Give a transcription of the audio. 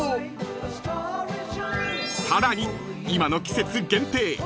［さらに今の季節限定